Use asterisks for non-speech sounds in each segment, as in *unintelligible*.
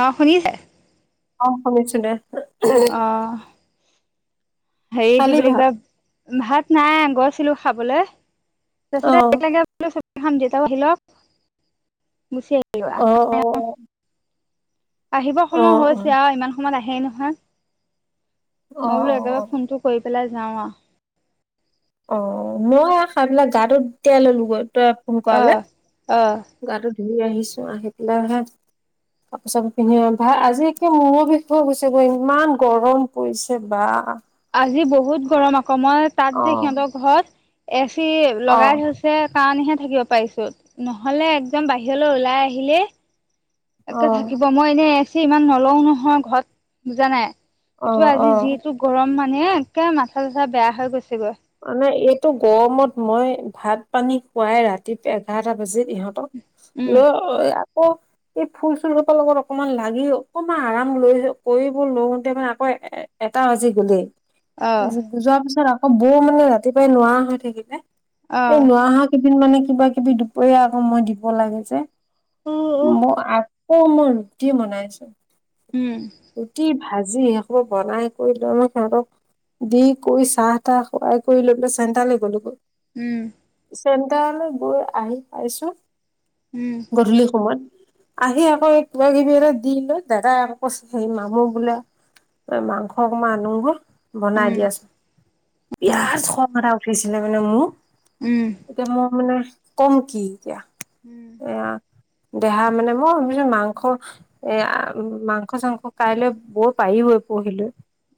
অঁ শুনিছে। অ শুনিছো দে। অঁ। হেৰি কি খালি বুলি ভাত কয় ভাত নাই গৈছিলো খাবলে। অ তাৰছতে খাম যে আহ ল *inaudible* গুচি আ। অ অ অ। আহিব অ সময় হৈছে আৰু ইমান সময়ত আহেই নহয় অ মই অ বোলো অ একেবাৰে ফোনটো। কৰি পেলাই যাওঁ আও। অ মই খাইপেলাই গাটো তিয়াই ললোগৈ তই ফোন অ কৰালে। অ গাটো ধুই আহিছো আহি পেলাই হে। কাপোৰ চাপোৰ পিন্ধি আহ ভা আজি একে মূৰ বিষ হৈ গৈছে গ ইমান গৰম পৰিছে বা। আজি বহুত গৰম আকৌ মই তাত অ যে সিহঁতৰ ঘৰত এ চি অ লগাই থৈছ। ছে কাৰণেহে থাকিব পাৰিছোঁ নহ'লে একদম বাহিৰলৈ ওলাই আহিলে। অ একে থাকিব মই এনেই এই চি ইমান নলও নহয় ঘৰত বুজা নাই অ কিন্তু অ আজি যিটো। গৰম মানে একে মাথা ছাথা বেয়া হৈ গৈছেগৈ। মানে এইটো গৰমত মই ভাত পানী খুৱাই ৰাতি এঘাৰটা বাজিত ইহ। তক উম লৈ আকৌ। এই ফুল চুল খোপাৰ লগত অকমান লাগি অকমান আৰাম লৈ কৰিব লৌতে মানে আকৌ এ। এটাও আজি গলে। অ যোৱাৰ পিছত আকৌ বৌ মানে ৰাতিপুৱাই নোৱাৰা হৈ থাকিলে অ এই নোৱা। কেইদিন মানে কিবা কিবি দুপৰীয়া আকৌ মই দিব লাগে যে উ উ মোৰ আ। কৌ মই ৰুটি বনাইছো। উম। ৰুটি ভাজি সেইখোপা বনাই কৰি সিহঁতক দি কৰি চাহ। টা খোৱাই কৰি লৈ তোৰ চেণ্টাৰলৈ গ'লোগৈ। উম। চেণ্টাৰলৈ গৈ আহি পাইছো। উম। গধূলি সময়ত। আহি আকৌ এই কিবাকিবি এটা দি লৈ দাদাই আকৌ কৈছে সেই মানুহ বোলে। এ মাংস অকমান‌ আনুগৈ বনাই উম দিয়াচ। বিৰাট খং এটা উঠিছিলে মানে মোৰ। উম। এতিয়া ম মানে কম কি এতিয়া। উম। এয়া দেহা মানে ম *inaudible* মাংস। এ মাংস চাংস কাইলৈ বৰ পাৰি পুহিলো।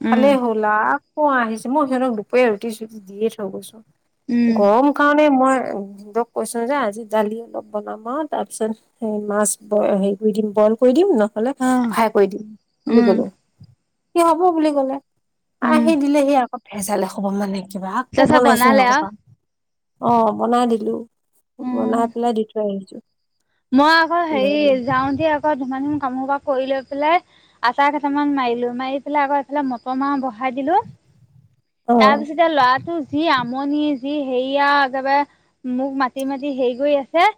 উম উম খালে হ'ল আকৌ আহিছে মই সিহঁতক দুপৰ ৰুটি চৰুটি দিয়ে থৈ গৈছো। উম গৰম কাৰণে মই দিয়ক কৈছো যে আজি দালি অলপ বনাম আৰু তাৰপিছত মাছ বই হেৰি কৰি দিম বইল কৰি দিম ন হলে অ ফ্ৰাই কৰি দিম বুলি উম কলো সি হব বুলি কলে। উম আহি দিলেহি আকৌ ভেজাল এখোপা মানে কিবা আকৌ তাৰপিছত বনাইছো সেই বনালে আও সোপা। অঁ' বনাই দিলো উম বনাই পেলাই দি থৈ আহিছো। মই আকৌ হেৰি যাওঁ তেই আকৌ ধূমাধূম কাম সোপা কৰি লৈ পেলাই। আটা কেইটামান মাৰিলো মাৰি পেলাই আকৌ এফালে মটৰ মাহ বহাই দিলো অ তাৰ পিছত এতিয়া ল'ৰাটো যি আমনি যি হেৰিয়া একেবাৰে। মোক মাতি মাতি হেৰি কৰি আছে।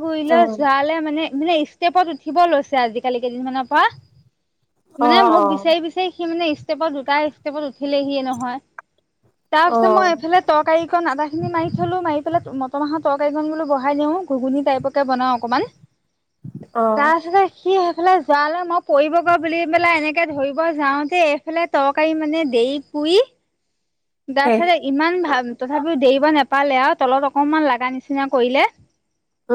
ফুৰি অ লৈ যালে মানে মানে ষ্টেপত উঠিব লৈছে আজ কালি কেইদিন মানৰ পৰা। অ মানে মোক বিচাৰি বিচাৰি সি মানে ষ্টেপত দুটা ষ্টেপত উঠিলেহিয়ে নহয়। তাৰ অ পিছত মই অ এফালে তৰকাৰী খন আদাখিনি মাৰি থলো মাৰি পেলাই মটৰ মাহৰ তৰকাৰী খন বহাই দিওঁ ঘুগুনী টাইপত পত বনাও অকমান অ তাৰপিছত সি সেইফালে যোৱালৈ মই পৰিবগৈ বুলি পেলাই এনেকে ধৰিব যাওঁতে এইফালে তৰকাৰী মানে দেৰি পুৰি শেষ তাৰপিছতে ইমান ভাল তথাপিও দেৰিব নাপালে আৰু তলত অকমান লগা নিচিনা কৰিলে।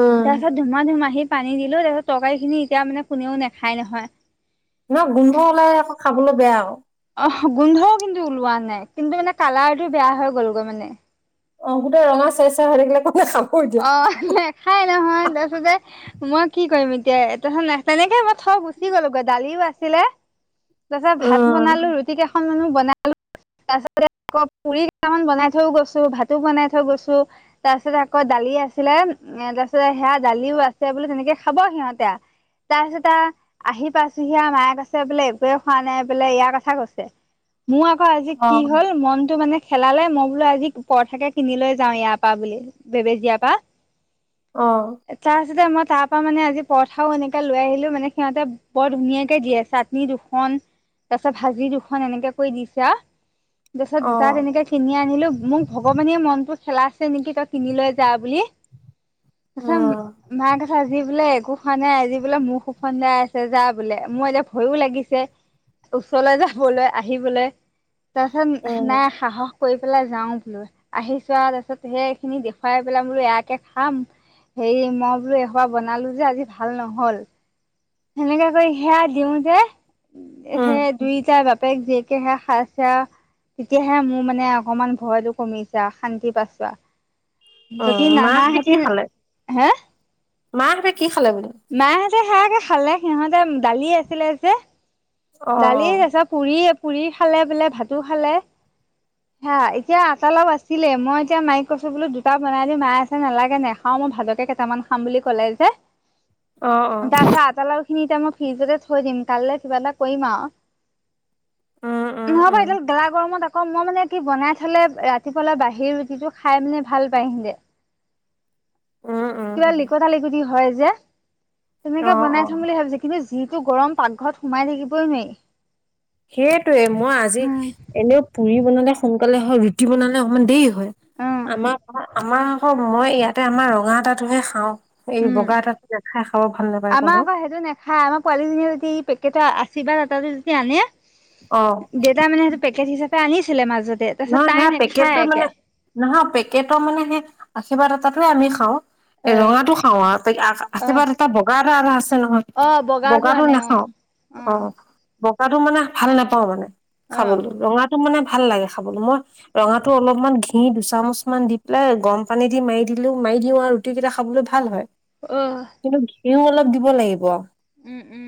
উম পিছত ধুমা ধুম আহি পানী দিলো তাৰ পিছত তৰকাৰী খিনি এতিয়া মানে কোনেও নাখাই নহয়। ন গোন্ধ ওলাই আকৌ খাবলৈ বেয়া আক। অহ গোন্ধও কিন্তু ওলোৱা নাই কিন্তু মানে কালাৰটো বেয়া হৈ গ'লগৈ মানে। অ গোটেই ৰঙা চাই চাই হৈ থাকিলে কোন খাব। এতিয়া অ নেখাই নহয় তাৰ পাছতে মই কি কৰিম এতিয়া তেনেকে মই থৈ গুচি গ'লো গৈ দালিও আছিলে। তাৰ পাছত ভাত উম বনালো ৰুটি কেইখন মানো বনালো তাৰপাছতে আকৌ পুৰি কেইটামান বনাই থৈও গৈছো ভাতো বনাই থৈ গৈছো তাৰপিছত আকৌ আকৌ দালি আছিলে তাৰপিছত সেয়া দালিও আছে বুলি তেনেকে খাব সিহঁতে আ। তাৰপিছত আৰু। আহি পাইছোহি মায়ে কৈছে বোলে একোৱে খোৱা নাই বোলে ইয়াৰ কথা কৈছে। মোৰ আকৌ আজি অ কি হ'ল মনটো মানে খেলালে মই বোলো আজি পৰঠাকে কিনি লৈ যাওঁ ইয়াৰ পৰা বুলি বেবেজীয়াৰ পা। অঁ' তাৰ পাছতে মই তাৰ পৰা মানে আজি পৰঠাও এনেকে লৈ আহিলো মানে সিহঁতে বৰ ধুনীয়াকে দিয়ে চাটনি খন তাৰ পাছত ভাজি দুখন এনেকেকৈ দিছা আৰু। অ তাৰপিছত দুটা তেনেকে কিনি আনিলো মোক ভগৱানে মনতো খেলাছে নেকি তাত। কিনি লৈ যা বুলি তাৰ উম পিছত মায়ে কৈছে আজি বোলে একো খোৱা নাই আজি বোলে মুখ ওফন্দাই আছে যা বোলে মোৰ এতিয়া ভয়ো লাগিছে। ওচৰলে যাবলে আহিবলে। তাৰপিছত উম নাই সাহস কৰি পেলাই যাওঁ বোলো আহিছো আৰু তাৰপিছত সেই খিনি দেখুৱাই পেলাই বোলো এয়াকে খাম। হেৰি মই বোলো এসোপা বনালো যে আজি ভাল নহল। সেনেকা কৰি সেয়া দিওঁতে। উম সেই দুইটাই বাপেক জীয়েকেহে খাইছে আ। এতিয়াহে মোৰ মানে অকমান ভয়তো কমিছে শান্তি পাইছোঁ আহ। অ যদি নানা মাহঁতে হেতিন হে মাহ হতে কি খালে বোলো? মাহঁতে সেয়াকে খালে সিহঁতে দালি আছিলে যে অ দালি তাৰপিছত পুৰি পুৰি খালে বোলে ভাতো খালে হা এতিয়া আটা অলপ আছিলে মই এতিয়া মাইক কৈছো বোলো দুটা বনাই দিওঁ মাই আছে নালাগে নেখাওঁ মই ভাতকে কেইামান খাওঁ খাম বুলি ক'লে যে অ অ তাৰপািছত আটা লাৰু খিনি এতিয়া মই ফ্ৰিজতে থৈ দিম কাইলৈ কিবা এটা কৰিম আৰু। উম উম নহব উম এডাল গেলা গৰমত ক মই মানে কি বনাই থলে ৰাতিপুৱালে বাহি ৰুটিটো খাই মানে ভাল পাই ইহিতে। উম হয় উম কিবা উম লিকতা লিকুটি হয় যে অ তেুনেকে অ বনাই থম বুলি ভাবিছে কিন্তু যিটো গৰম পাকঘৰত সোমাই থাকিবই নোৱাৰি সেইটোৱে মই আজি উম, এনেও পুৰি বনালে সোনকালে হয় ৰুটি বনালে অকমান দেৰি হয়। অ'। আমাৰ আমাৰ মই ইয়াতে আমাৰ ৰঙা আটাটোহে খাওঁ। এই উম, বগা আটা খাই খাব ভাল নাপায় কনো। খাই আমাৰ পোৱালিজনীয়ে যদি পেকেট আশীৰ্বাদ আতা টো যদি আনে অ'। দেউতা মানে সেইটো পেকেট হিচাপে আনিছিলে মাজতে তাৰপিছত নহয় তাই সেয়া নেখায় পেকেটটো মানে একে। নহয় পেকেটৰ মানে সেই আশীৰ্বাদ আটাতোৱে আমি খাওঁ। এই অ', ৰঙা টো খাওঁ আৰু অ', আশীৰ্বাদ এটা বগা আটা আছে আছে নহয় অ', বগাটো বগা টো আনে অ', নাখাও অ'। বগাটো মানে ভাল নাপাওঁ মানে অ', খাবলৈ ৰঙাটো মানে ভাল লাগে খাবলৈ মই ৰঙা টো অলপমান ঘি দুচামুচ মান দি পেলাই গৰম পানী দি মাৰি দিলেও মাৰি দিও আৰু ৰুটি কেইটা খাবলৈ ভাল হয়। অ'। কিন্তু ঘিউও অলপ দিব লাগিব। উম, উম।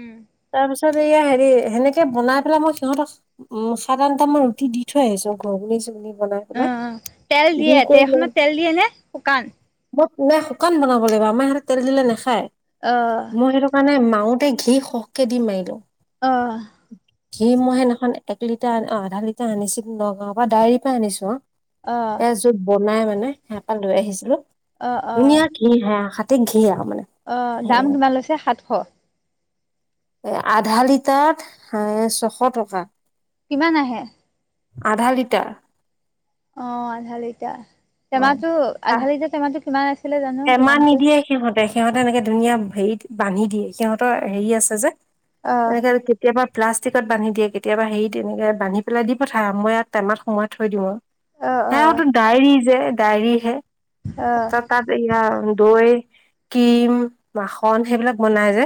তাৰ পিছত এয়া হেৰি সেনেকে বনাই পেলাই মই সিহঁত উম, সাত আঠটামান ৰুটি দি থৈ আহিছো ঘুগুনী চুগুনি বনাই। পেলাই অ', তেল দি দিয়ে কৰি লৈ তেখনত তেল দিয়ে নে শুকান? *unintelligible* শুকান বনাব লাগিব আমাৰ ইহঁতে তেল দিলে নাখায়। অ'। মই সেইটো কাৰণে মাওতে ঘি সৰহকে দি মাৰিলোঁ। অঁ'। ঘি মই সেইদিনাখন এক লিটাৰ অ', আধা লিটাৰ আনিছিল নগাৱৰ পৰা ডাইৰি পৰা আনিছো অ'। অ', এ জোত বনাই মানে সেইয়া পা লৈ আহিছিলো অ', অ', ধুনীয়া *unintelligible* মানে। অ', দাম কিমান লৈছে সাতশ? এ আধা লিটাৰত এ ছশ টকা। কিমান আহে? আধা লিটাৰ। অ', আধা লিটাৰ অ টেমাটো আধা লিটাৰ টেমা টো কিমান আছে? টেমা নিদিয়ে সিহঁতে সিহঁতে এনেকে ধুনীয়া হেৰি বান্ধি দিয়ে সিহঁতৰ হেৰি আছে যে অ', এনেকে কেতিয়াবা প্লাষ্টিকত বান্ধি দিয়ে কেতিয়াবা হেৰি তেনেকে বান্ধি পেলাই দি পঠা মই ইয়াত টেমাত সোমাই থৈ দিম আৰু। অ', অ', সেইয়াটো ডায়েৰী যে ডায়েৰী হে অ', তাৰ তাত এয়া দৈ ক্ৰীম মাখন সেইবিলাক বনাই যে।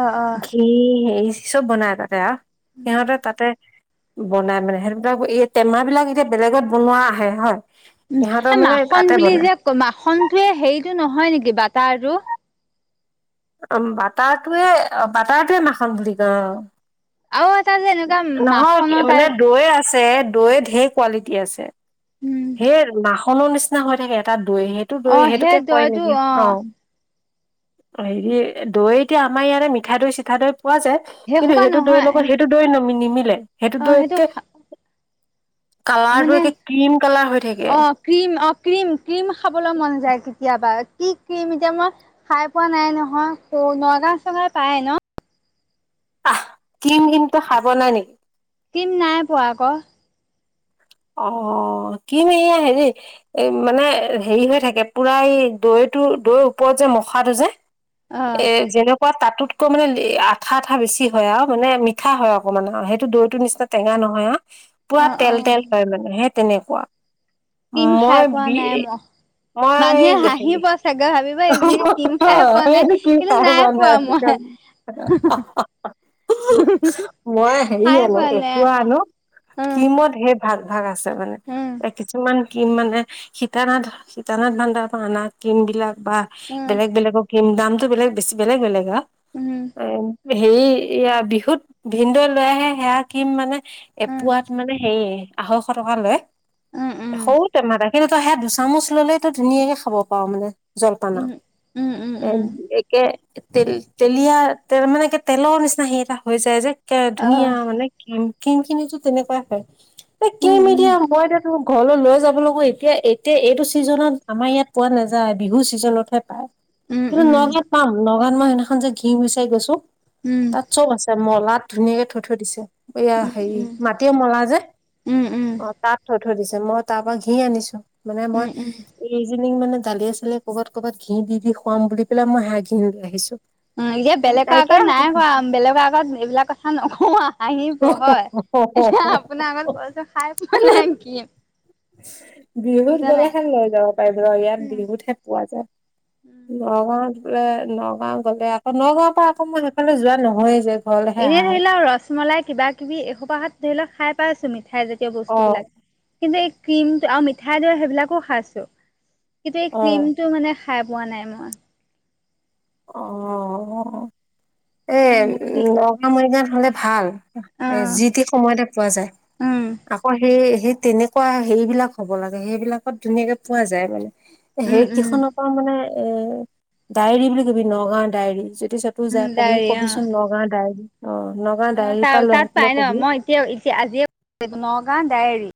অঁ', অঁ'। এই হেৰি চব বনাই তাতে আৰু উম, সিহঁতে তাতে বনাই মানে সেইবিলাক এই টেমা বিলাক এতিয়া বেলেগত বনোৱা আহে হয়। উম, ইহঁতৰ এ মানে মাখন তাতে বুলি বনাই যে ক মাখনটোয়ে হেৰিটো নহয় নেকি বাটাৰটো? অ', বাটাৰটোৱে অ', বাটাৰটোৱে মাখন বুলি কয় অ। আৰু এটা যে এনেকুৱা নহয় মাখনৰ মানে টাইপ দয়ে আছে আছে দৈ ধেৰ কোৱালিটি আছে উম, হে ৰ মা মাখনৰ নিচিনা হৈ থাকে এটা দৈ সেইটো দৈ অ', সেই সেইটোকে কয় দৈটো নেকি অ' হেৰি দৈ এতিয়া আমাৰ ইয়াতে মিঠা দৈ চিঠা দৈ পোৱা যায়। সেই কিন্তু সোপা সেইটো দৈৰ নহয় লগত সেইটো দৈ নি নিমিলে সেইটো দৈতকে কালাৰটো মানে একে ক্ৰিম কালাৰ হৈ থাকে অ', ক্ৰীম অ ক্ৰীম ক্ৰীম খাবলৈ মন যায় কেতিয়াবা কি ক্ৰীম এতিয়া মই খাই পোৱা নাই নহয় নগাও ত চাগে পায় ন আহ ক্ৰীম কমতটো খাই পোৱা নাই নেকি কিম নাই পোৱা আকৌ অ কি ক্ৰীম এইয়া হেৰি এ মানে হেৰি হৈ থাকে পুৰা এই দৈটো দৈৰ ওপৰত যে মখাটো যে অ', এ যেনেক কোৱা তাতোতকৈ মানে আঠা আঠা বেছি হয় আৰু মানে মিঠা হয় অকমান মানে সেইটো দৈটো নিচিনা টেঙা নহয় আহ পুৰা অ', তেল অ', তেল হয় মানে সেই তেনেকুৱা ক্ৰীম খাই মই পোৱা বি নাই মই মই মানুহে হেৰি হাঁহিব চাগৈ ভাবিব এজনীকে ক্ৰীম খাই পোৱা নাই কিন্তু নাই পোৱা মই আহ হা হা মই হেৰি খাই আনো পোৱা এক নাই পুৱা আনো উম, কিমত সেই ভাগ ভাগ আছে মানে উম, এ কিছুমান কি মানে সীতানাথ সীতানাথ ভানদাৰ পৰা অনা ক্ৰীম বিলাক বা উম, বেলেগ বেলেগক কিম দাম টো বেলেগ বেছি বেলেগ বেলেগ আ উম, এ হেৰি এইয়া বিহুত ভিনদও এ লৈ আহে সেয়া ক্ৰীম মানে এ উম, পোৱাত মানে হেৰি আঢ়ৈশ টকা লয় উম, উম, সৰু টেমা সেইটো তই সে দুচামুচ ল'লেইতো ধুনীয়াকে খাব পাৰো মানে জলপানৰ উম, উম, উম, উম, এ কে তেল তেলীয়া তে মানে কি তেলৰ নিচিনা হেৰী এটা হৈ যায় যে ধুনীয়া অ', মানে কিম ক্ৰীম খিনি তেনেকুৱাই হয় এ উম, কিম উম, এতিয়া মই ঘৰলৈ লৈ যাব লৈকো এতিয়া এতিয়া এইটো ছিজনত আমাৰ ইয়াত পোৱা নাযায় বিহু ছিজনতহে পায় উম, কিন্তু উম, নগাঁও ত পাম নগাঁওত মই সেইদিনাখন যে ঘি বিচাৰি গৈছো উম তাত চব আছে মলাত ধুনীয়াকে থৈ থৈ দিছে এইয়া উম, হেৰি মাটিয় মলা যে উম, উম, অ উম, তাত থৈ থৈ দিছে মই তাৰ পৰা ঘি আনিছো মানে উম, মই এইজনীক মানে দালি চালিয়ে ক'ৰবাত ক'ৰবাত ঘি দি দি খুৱাম বুলি পেলাই মই হে ঘি লৈ আহিছো উ এতিয়া বেলেগৰ আগত নাইকিয়া হ'ব নাই কোৱা বেলেগৰ আগত এইবিলাক কথা নকোৱা হাঁহিব হয় এতিয়া আপোনাৰ আগত কৈছোঁ খাই পোৱা নাই ক্ৰীম বিহুত গ'লেহে লৈ যাব পাৰিব ৰ ইয়াত উম। বিহুতহে পোৱা যায় নগাঁওত বোলে নগাঁও গ'লে আকৌ নগাঁৱৰ পৰা আকৌ মই সেইফালে যোৱা নহয়ে যে ঘৰলেহে আহা এনেই ধৰি হয় লওক ৰসমলাই কিবা কিবি এসোপাহত ধৰি লওক খাই পাইছো মই মিঠাই জাতীয় অ বস্তুবিলাক কিন্তু এই ক্ৰীম আৰু মিঠাই দৰে সেইবিলাকো খাইছো কিন্তু এই অ ক্ৰীমটো মানে খাই পোৱা নাই মই অ এ নগা মৰিগা খালে ভাল এ অ', যিতি সময়তে পোৱা যায় উম, আকৌ সেই সেই তেনে কোৱা সেইবিলাক হ'ব লাগে সেইবিলাকত ধুনীয়াকে পোৱা যায় মানে উম, সেই উম, কেইখনত মানে এ ডায়েৰী বুলি কবি নগাঁওৰ ডায়েৰী যদি চব তো উম, যাকওঁ ডায়েৰী অ'। কবিচোন নগাঁও ডায়েৰী অ নগাঁওৰ ডায়েৰী পৰা লৈ আহিবলে কবি এতিয়াও এতিয়া আজিয় নগাঁও ডায়েৰী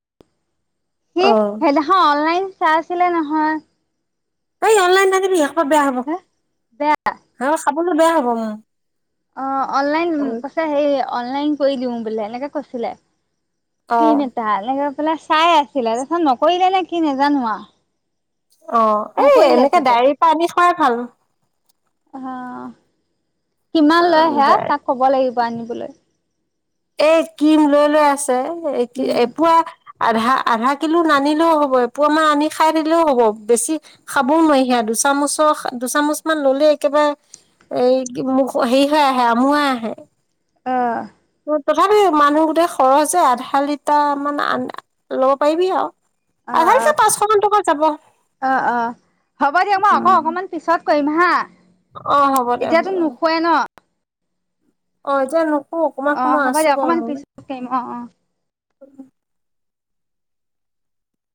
সি অ সেনা অ অনলাইন চাইছিলে নহয় এই অনলাইন নানিবি এষ বেয়া হব হে বেয়া হ চাবলৈ বেয়া হব মোৰ অ অনলাইন কৈছে হে অনলাইন কৰি দিওঁ বো এনেকে কৈছিলে অ ক্ৰীম এটা এ গৈ পেলাই চাই আছিলে তাৰপিছত নকৰিলে নে কি নেজানো আৱ অ এই এনেকে চাগে ডায়ৰী পৰা আনি থোৱাই ভাল অ কিমান অ, লয় সেয়া ডায়ে তাক কব লাগিব আনিবলৈ এ ক্ৰীম লৈ লৈ আছে এ উম এপোৱা আধা আধা কিলো নানিলোঁ হ'ব এপোৱা মান আনি খাই থাকিলেও হ'ব বেছি খাবও নোৱাৰি সেয়া দুচামুচৰ দুচামুচ মান ললে একেবাৰে এই কি বু হেৰি হৈ আহে আমোৱাই আহে। অ তথাপিও মানুহ গোটেই খৰচ যে আধা লিটাৰ মান আ লব পাৰিবি আৱ অ অ আধা লিটা পাঁচশমান টকা যাব অ অ হ'ব দিয়ক মই আকৌ উম অকমান পিছত কৰিম হা, দে হ'ব এতিয়াতো দে নোশুৱাই ন? অ এতিয়া নুশু অকমান অ সময় হ'ব আছো দিয়ক বাৰু অকমান মই পিছত কৰিম অ অ